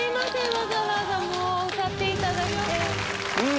わざわざもう歌っていただいてうん！